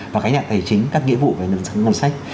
và cái nhạc tài chính các nghĩa vụ về ngân sách